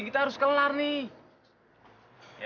ini tuh gak bener ini